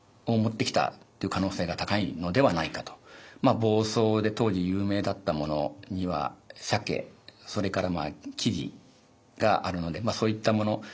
房総で当時有名だったものには鮭それから雉があるのでまあそういったもの